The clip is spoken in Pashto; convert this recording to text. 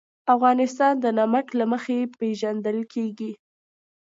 افغانستان د نمک له مخې پېژندل کېږي.